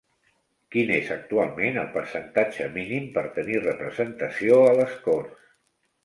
Quin és actualment el percentatge mínim per tenir representació a les Corts?